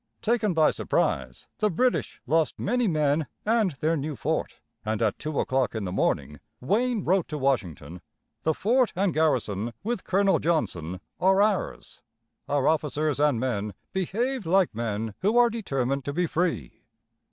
Taken by surprise, the British lost many men and their new fort, and at two o'clock in the morning Wayne wrote to Washington: "The fort and garrison, with Colonel Johnson, are ours. Our officers and men behaved like men who are determined to be free."